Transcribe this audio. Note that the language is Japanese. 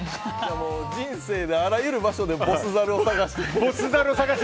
人生で、あらゆる場所でボス猿を探して。